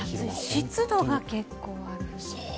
湿度が結構ある。